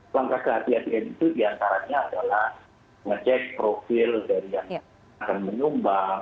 langkah kehatian itu diantaranya adalah ngecek profil dari yang akan menyumbang